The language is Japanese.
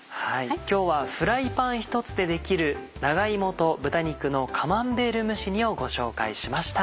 今日はフライパン１つでできる「長芋と豚肉のカマンベール蒸し煮」をご紹介しました。